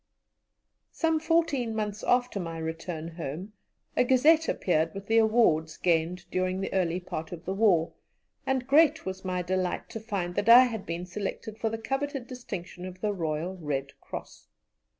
" Some fourteen months after my return home a Gazette appeared with the awards gained during the early part of the war, and great was my delight to find I had been selected for the coveted distinction of the Royal Red Cross.